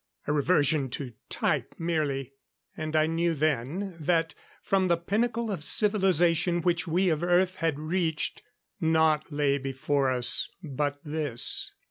A reversion to type, merely. And I knew, then, that from the pinnacle of civilization which we of Earth had reached, naught lay before us but this.